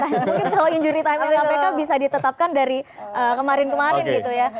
mungkin kalau injury time kpk bisa ditetapkan dari kemarin kemarin gitu ya